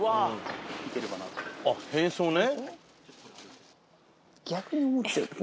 あっ変装ね。